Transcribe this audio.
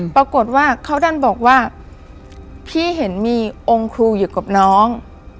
ปรากฏว่าเขาดันบอกว่าพี่เห็นมีองค์ครูอยู่กับน้อง